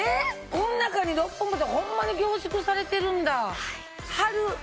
この中に６本分ってホンマに凝縮されてるんだ。